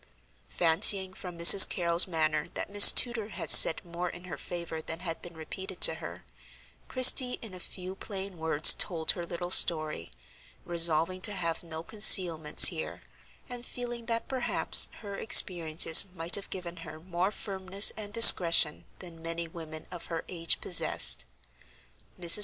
Fancying from Mrs. Carrol's manner that Miss Tudor had said more in her favor than had been repeated to her, Christie in a few plain words told her little story, resolving to have no concealments here, and feeling that perhaps her experiences might have given her more firmness and discretion than many women of her age possessed. Mrs.